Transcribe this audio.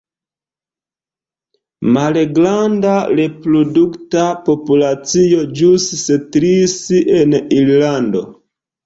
Malgranda reprodukta populacio ĵus setlis en Irlando.